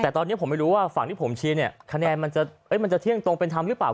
แต่ตอนนี้ผมไม่รู้ว่าฝั่งที่ผมชิ้นเนี่ยคะแนนมันจะเอ๊ะมันจะเที่ยงตรงเป็นทำหรือเปล่า